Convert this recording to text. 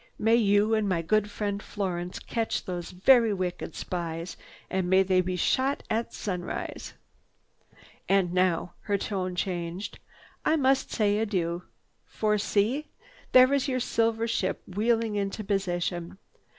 May you and my good friend Florence catch those so very wicked spies and may they be shot at sunrise! "And now," her tone changed, "I must say adieu, for see! There is your silver ship wheeling into position.